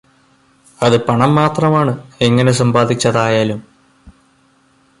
അത് പണം മാത്രമാണ് എങ്ങനെ സമ്പാദിച്ചതായാലും